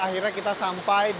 akhirnya kita sampai di curug